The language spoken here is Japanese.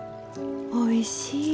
おいしい。